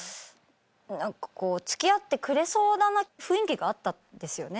何かこう付き合ってくれそうな雰囲気があったんですよね。